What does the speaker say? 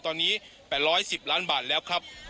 ตอนนี้๘๑๐ล้านบาทแล้วครับ